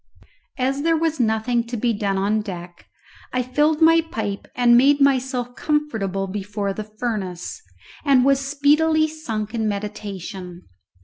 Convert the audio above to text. As there was nothing to be done on deck, I filled my pipe and made myself comfortable before the furnace, and was speedily sunk in meditation.